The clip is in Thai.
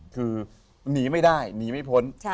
คือหนีไม่ได้หนีไม่พ้น